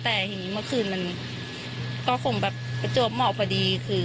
แต่เมื่อคืนมันก็คงแบบประโยชน์เหมาะพอดีคือ